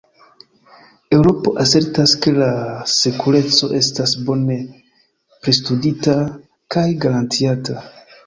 Eŭropo asertas ke la sekureco estas bone pristudita kaj garantiata.